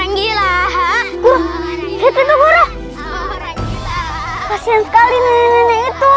anggini kita tunggu disini saja dulu anggini